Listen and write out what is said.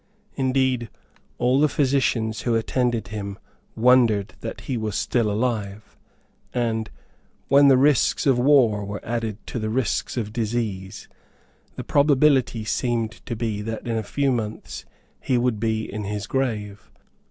Indeed all the physicians who attended him wondered that he was still alive; and, when the risks of war were added to the risks of disease, the probability seemed to be that in a few months he would be in his grave.